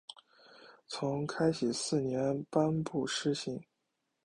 从开禧四年颁布施行。